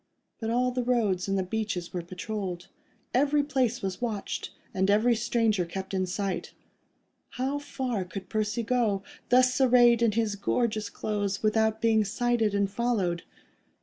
But all the roads and the beach were patrolled. Every place was watched, and every stranger kept in sight. How far could Percy go, thus arrayed in his gorgeous clothes, without being sighted and followed?